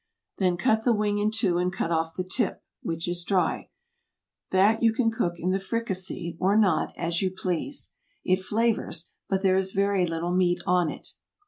Then cut the wing in two, and cut off the tip, which is dry; that you can cook in the fricassee, or not, as you please. It flavors, but there is very little meat on it.